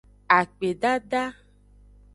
Akpedada.